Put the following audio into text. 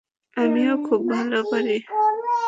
আমিও খুব ভালো পারি।